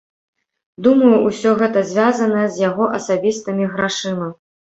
Думаю, усё гэта звязанае з яго асабістымі грашыма.